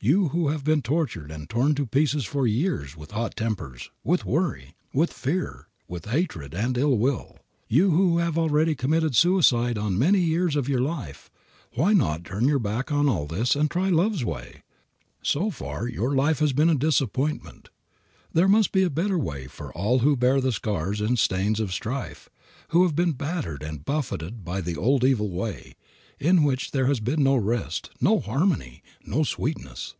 You who have been tortured and torn to pieces for years with hot tempers, with worry, with fear, with hatred and ill will; you who have already committed suicide on many years of your life, why not turn your back on all this and try love's way? So far your life has been a disappointment. There must be a better way for all who bear the scars and stains of strife, who have been battered and buffeted by the old evil way, in which there has been no rest, no harmony, no sweetness.